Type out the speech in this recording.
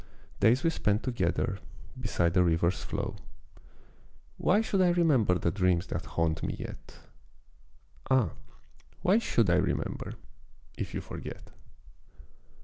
Days we spent together, beside the river's flow; Why should I remember the dreams that haunt me yet? Ah, why should I remember if you forget!